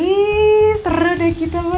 iiih seru deh kita mas